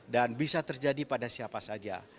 dan bisa terjadi pada siapa saja